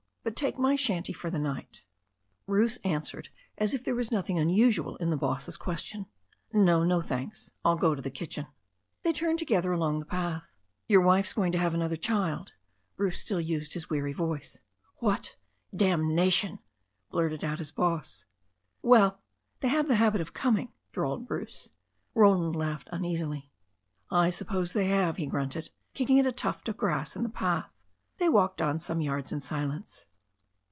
But take my shanty for the night." Bruce an swered as if there were nothing unusual in the boss's ques tion. "No, no, thanks. I'll go to the kitchen." THE STORY OF A NEW ZEALAND RIVER 127 They turned together along the path. "Your wife's going to have another child." Bruce still used his weary voice. "What ! Damnation !" blurted out the boss. "Well, they have a habit of coming," drawled Bruce. Roland laughed uneasily. "I suppose they have," he grunted, kicking at a tuft of grass in the path. They walked on some yards in silence.